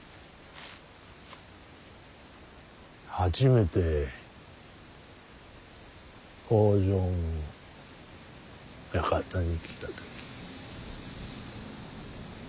初めて北条の館に来た時。